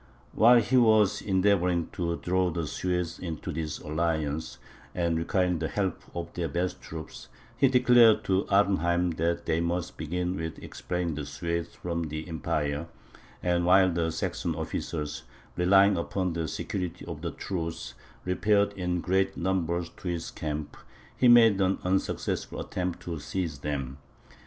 While he was endeavouring to draw the Swedes into this alliance, and requiring the help of their best troops, he declared to Arnheim that they must begin with expelling the Swedes from the empire; and while the Saxon officers, relying upon the security of the truce, repaired in great numbers to his camp, he made an unsuccessful attempt to seize them.